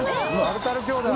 タルタル兄弟！